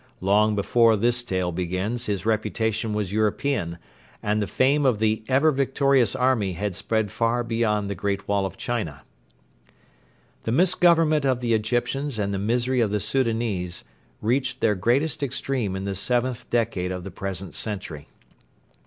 Long before this tale begins his reputation was European, and the fame of the 'Ever victorious Army' had spread far beyond the Great Wall of China. The misgovernment of the Egyptians and the misery of the Soudanese reached their greatest extreme in the seventh decade of the present century.